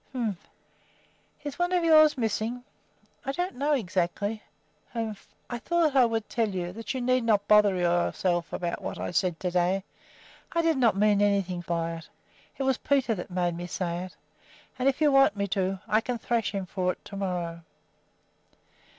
"Humph!" "Is one of yours missing?" "Oh, I don't know exactly. Humph! I thought I would tell you that you need not bother yourself about what I said to day. I did not mean anything by it. It was Peter that made me say it; and if you want me to, I can thrash him for it to morrow."